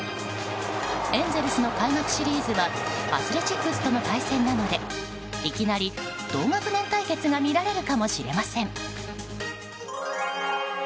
エンゼルスの開幕シリーズはアスレチックスとの対戦なのでいきなり同学年対決が見られるかもしれません。